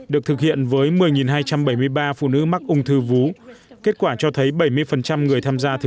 được thực hiện với một mươi hai trăm bảy mươi ba phụ nữ mắc ung thư vú kết quả cho thấy bảy mươi người tham gia thử